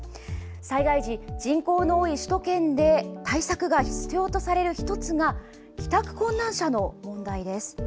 災害時、人口の多い首都圏で対策が必要とされる１つが帰宅困難者の問題です。